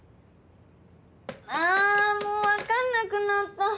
あもう分かんなくなった！